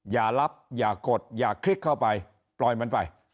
อย่ารับอย่ากดอย่าคลิกเข้าไปปล่อยมันไป